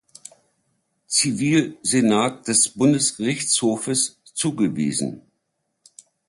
Zivilsenat des Bundesgerichtshofes zugewiesen.